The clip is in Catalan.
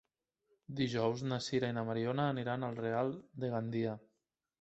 Dijous na Sira i na Mariona aniran al Real de Gandia.